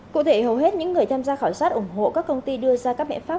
cụ thể hầu hết những người tham gia khảo sát ủng hộ các công ty đưa ra các mẹ pháp